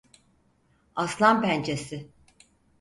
Aslanpençesi